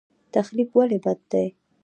تخریب ولې بد دی؟